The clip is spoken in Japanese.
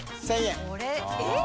えっ！？